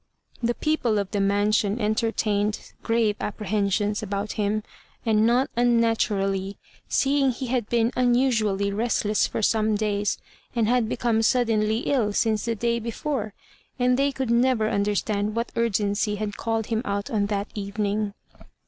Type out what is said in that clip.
The people of the mansion entertained grave apprehensions about him; and not unnaturally, seeing he had been unusually restless for some days, and had become suddenly ill since the day before, and they could never understand what urgency had called him out on that evening.